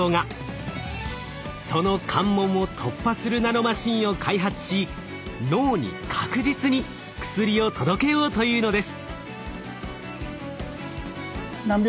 その関門を突破するナノマシンを開発し脳に確実に薬を届けようというのです。